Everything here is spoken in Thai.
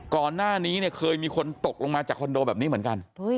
ก่อนหน้านี้เนี่ยเคยมีคนตกลงมาจากคอนโดแบบนี้เหมือนกัน